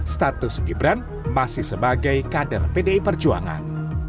status gibran masih sebagai kader pdi perjuangan